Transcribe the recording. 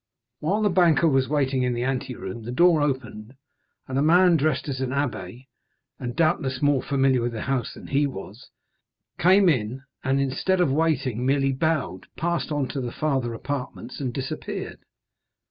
While the banker was waiting in the anteroom, the door opened, and a man dressed as an abbé and doubtless more familiar with the house than he was, came in and instead of waiting, merely bowed, passed on to the farther apartments, and disappeared.